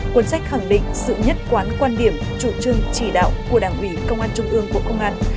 cuốn sách khẳng định sự nhất quán quan điểm chủ trương chỉ đạo của đảng ủy công an trung ương bộ công an